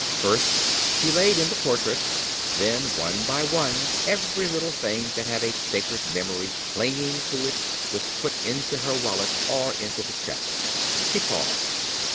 First she laid in the portraits; then one by one every little thing that had a sacred memory clinging to it was put into her wallet or into the chest. She paused.